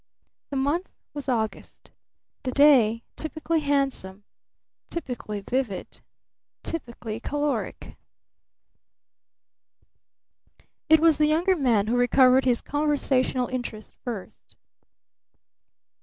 The month was August, the day typically handsome, typically vivid, typically caloric. It was the Younger Man who recovered his conversational interest first.